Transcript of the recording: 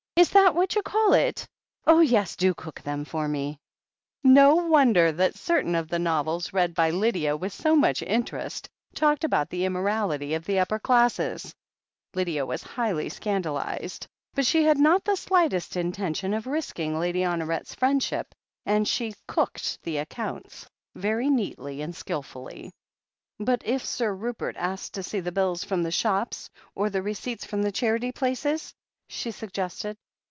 "Is that what you call it? Oh, yes, do cook them for me !" No wonder that certain of the novels read by Lydia with so much interest talked about the immorality of the upper classes 1 Lydia was highly scandalized, but she had not the slightest intention of risking Lady Honoret's friend ship, and she "cooked" the accounts very neatly and skilfully. "But if Sir Rupert asks to see the bills from the shops, or the receipts from the charity places?" she suggested.